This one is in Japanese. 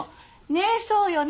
ねえそうよね？